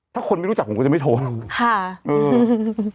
ถ้าคนไม่รู้จักจะไม่โทรค่ะ